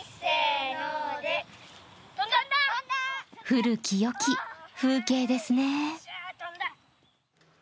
古き良き風景ですね。